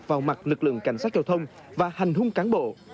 vào mặt lực lượng cảnh sát giao thông và hành hung cán bộ